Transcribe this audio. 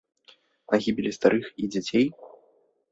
На гібелі старых і дзяцей?!